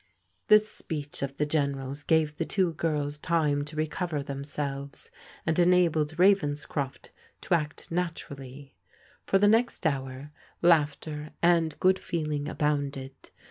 This speech of the General's gave the two girls time to recover themselves, and enabled Ravenscroft to act naturally. For the next hour, laughter and good feeling abounded.